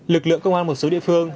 lực lượng công an một số địa phương